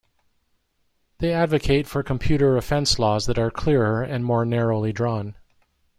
They advocate for computer offense laws that are clearer and more narrowly drawn.